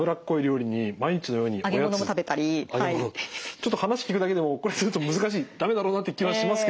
ちょっと話聞くだけでもこれすると難しい駄目だろうなって気はしますけど。